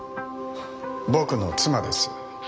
僕の妻です。